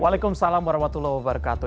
waalaikumsalam warahmatullahi wabarakatuh